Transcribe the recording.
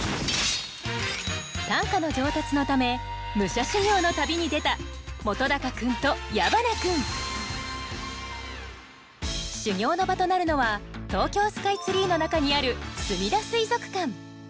短歌の上達のため武者修行の旅に出た本君と矢花君修行の場となるのは東京スカイツリーの中にあるすみだ水族館。